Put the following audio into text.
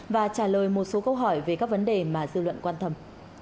và trả lời một số câu hỏi về các vấn đề mà dư luận quan tâm